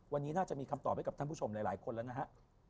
วันนี้น่าจะมีคำตอบให้กับท่านผู้ชมหลายคนแล้วนะฮะ